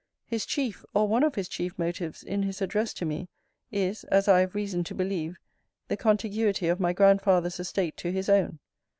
His chief, or one of his chief motives in his address to me, is, as I have reason to believe, the contiguity of my grandfather's estate to his own.